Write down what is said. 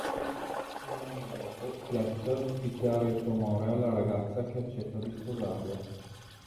Un anno dopo, Fletcher dichiara il suo amore alla ragazza che accetta di sposarlo.